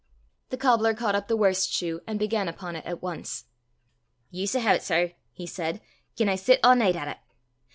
The cobbler caught up the worst shoe and began upon it at once. "Ye s' hae 't, sir," he said, "gien I sit a' nicht at it!